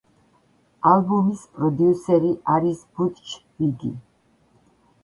ალბომის პროდიუსერი არის ბუტჩ ვიგი.